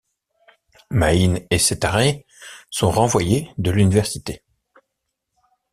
Mahine et Setareh sont renvoyées de l’université.